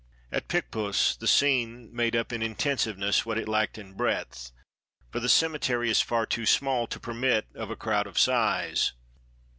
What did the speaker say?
At Picpus, the scene made up in intensiveness what it lacked in breadth, for the cemetery is far too small to permit of a crowd of size.